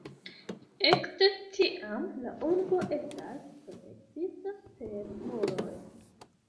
Ekde tiam la urbo estas protektita per muroj.